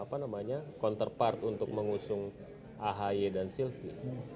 dan apa namanya counterpart untuk mengusung ahy dan silvi